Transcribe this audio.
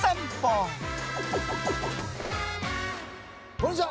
こんにちは。